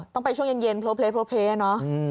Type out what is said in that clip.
ต้องไปช่วงเย็นโพเพลเนอะ